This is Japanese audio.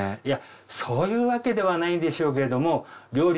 そういうわけではないんでしょうけれども料理？